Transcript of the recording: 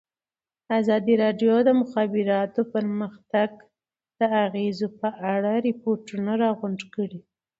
ازادي راډیو د د مخابراتو پرمختګ د اغېزو په اړه ریپوټونه راغونډ کړي.